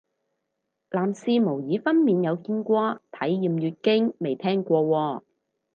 男士模擬分娩有見過，體驗月經未聽過喎